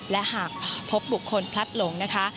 และหากพบบุคคลพลัดหลงนะคะ